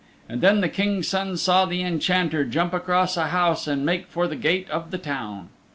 And then the King's Son saw the Enchanter jump across a house and make for the gate of the town.